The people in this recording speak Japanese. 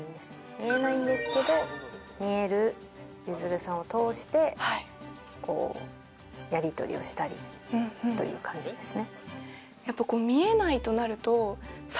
見えないんですけど見える譲さんを通してこうやりとりをしたりという感じですね